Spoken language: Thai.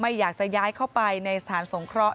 อยากจะย้ายเข้าไปในสถานสงเคราะห